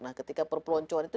nah ketika perpeloncoan itu